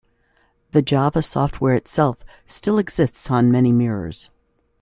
The Java software itself still exists on many mirrors.